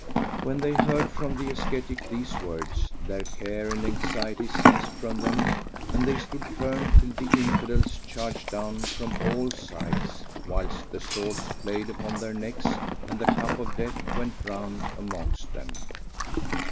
When they heard from the ascetic these words, their care and anxiety ceased from them; and they stood firm till the Infidels charged down from all sides, whilst the swords played upon their necks and the cup of death went round amongst them.